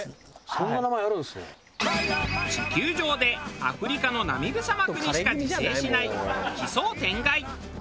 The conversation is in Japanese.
地球上でアフリカのナミブ砂漠にしか自生しない奇想天外。